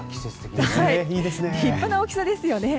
立派な大きさですよね。